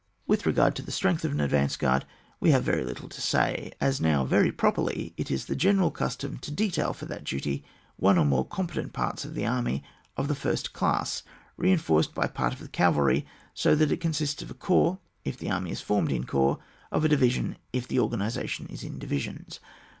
With respect to the strength of an advanced guard we have little to say, as now very properly it is the general custom to detail for that duty one or more component parts of the army of the first class, reinforced by part of the cavalry : so that it consists of a corps, if the army is formed in corps ; of a division, if the organisation is in divisions.